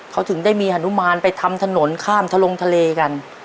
เขาถึงได้มีฮานุมานไปทำถนนข้ามทะลงทะเลกัน